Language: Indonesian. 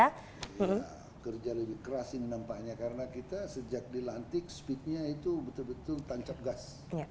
kerja lebih keras ini nampaknya karena kita sejak dilantik speednya itu betul betul tancap gas